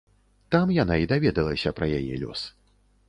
Там яна і даведалася пра яе лёс.